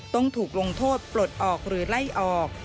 ต้องถูกลงโทษปลดออกหรือไล่ออก